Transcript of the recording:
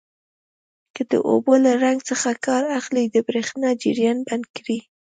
که د اوبو له رنګ څخه کار اخلئ د بریښنا جریان بند کړئ.